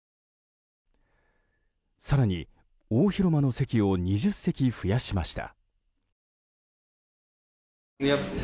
更に、大広間の席を２０席増やしました。